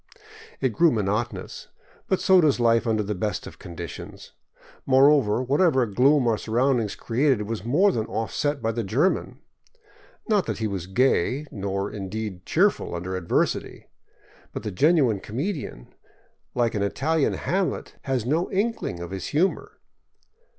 It grew monotonous, but so does life under the best of conditions. Moreover, whatever gloom our surroundings created was more than offset by the German. Not that he was gay, nor, indeed, cheerful under adversity. But the genume comedian, like an Italian Hamlet, 564 LIFE IN THE BOLIVIAN WILDERNESS has no inkling of his humor.